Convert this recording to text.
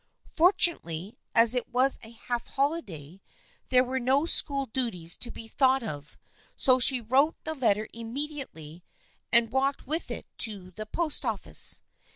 Fortunately, as it was a half holiday, there were no school duties to be thought of, so she wrote the letter immediately and walked with it to the post office.